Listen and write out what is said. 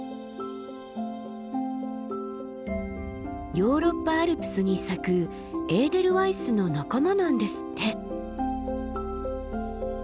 ヨーロッパアルプスに咲くエーデルワイスの仲間なんですって。